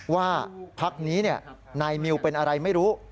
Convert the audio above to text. ว่าพักนี้นายมิวเป็นอะไรไม่รู้